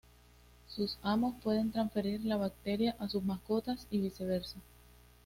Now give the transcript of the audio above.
Sus amos pueden transferir la bacteria a sus mascotas y viceversa.